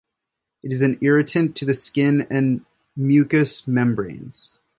It is an irritant to the skin and mucous membranes.